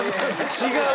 違う！